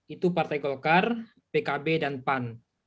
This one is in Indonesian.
itu partai golkar pkb dan pan